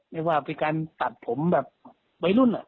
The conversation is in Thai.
ไม่ว่าเป็นการตัดผมแบบวัยรุ่น